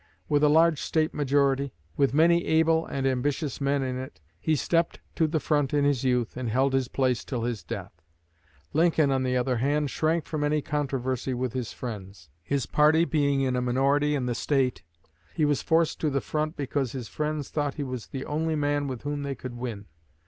With a large State majority, with many able and ambitious men in it, he stepped to the front in his youth and held his place till his death. Lincoln, on the other hand, shrank from any controversy with his friends. His party being in a minority in the State, he was forced to the front because his friends thought he was the only man with whom they could win.